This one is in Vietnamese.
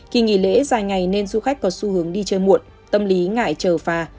kỳ nghỉ lễ dài ngày nên du khách có xu hướng đi chơi muộn tâm lý ngại chờ phà